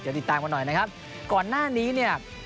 เดี๋ยวติดตามกันหน่อยนะครับก่อนหน้านี้เนี่ย